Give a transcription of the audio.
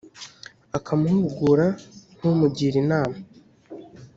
akamuhugura nk umugira inama